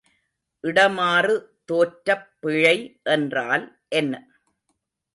இடமாறு தோற்றப் பிழை என்றால் என்ன?